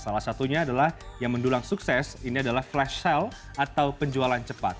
salah satunya adalah yang mendulang sukses ini adalah flash sale atau penjualan cepat